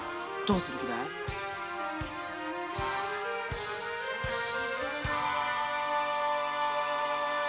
どうする気だい？